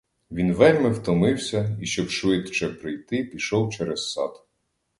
Він вельми втомився і, щоб швидше прийти, пішов через сад.